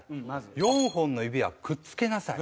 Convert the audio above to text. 「４本の指はくっつけなさい」。